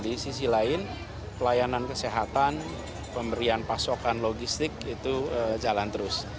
di sisi lain pelayanan kesehatan pemberian pasokan logistik itu jalan terus